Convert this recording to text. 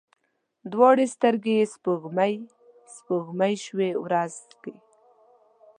دواړې سترګي یې سپوږمۍ، سپوږمۍ شوې ورځ کې